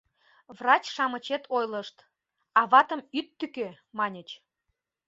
Врач-шамычет ойлышт: «Аватым ит тӱкӧ, — маньыч.